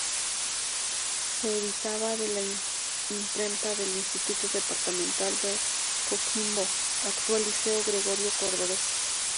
Se editaba en la Imprenta del Instituto Departamental de Coquimbo, actual Liceo Gregorio Cordovez.